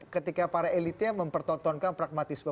ketika para elitnya mempertontonkan pragmatisme